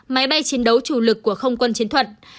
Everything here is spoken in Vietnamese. máy bay chiến đấu chủ lực của không quân chiến thuật